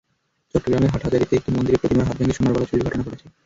চট্টগ্রামের হাটহাজারীতে একটি মন্দিরে প্রতিমার হাত ভেঙে সোনার বালা চুরির ঘটনা ঘটেছে।